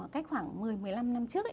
cách khoảng một mươi một mươi năm năm trước